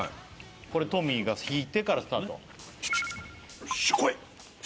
これトミーが引いてからスタートよしこい！